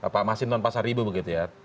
pak masinton pasaribu begitu ya